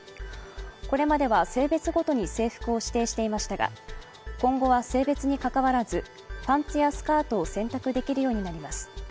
これまでは性別ごとに制服を指定していましたが今後は性別にかかわらずパンツやスカートを選択できるようになります。